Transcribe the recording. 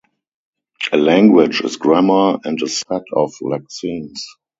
A language is grammar and a set of lexemes.